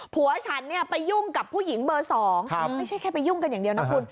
ผัวฉันเนี่ยไปยุ่งกับผู้หญิงเบอร์๒ไม่ใช่แค่ไปยุ่งกันอย่างเดียวนะคุณ